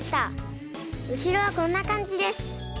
うしろはこんなかんじです。